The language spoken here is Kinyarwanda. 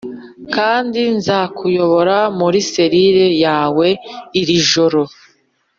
kandi nzakuyobora muri selire yawe iri joro